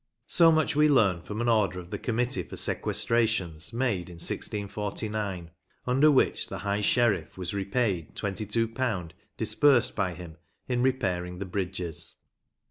So much we learn from an order of the Committee for Sequestrations made in 1649, under which the High Sheriff was repaid 22 disbursed by him in repairing the bridges.